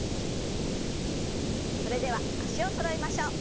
それでは脚をそろえましょう。